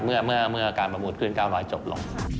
เมื่อการประมูลขึ้น๙๐๐จบลง